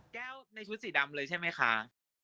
ในชุดสีดำเลยใช่ไหมคะ